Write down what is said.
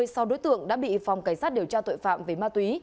một mươi sao đối tượng đã bị phòng cảnh sát điều tra tội phạm về ma túy